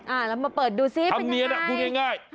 อ่าแล้วมาเปิดดูสิเป็นยังไงธรรมเนียนกูง่าย